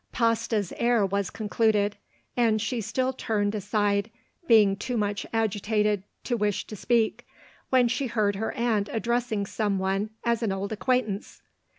Pasta's air was concluded ; and she still turned aside, being too much agitated to wish to speak, when she heard her aunt addressing some one as an old acquaintance.